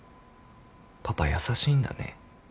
パパ優しいんだね。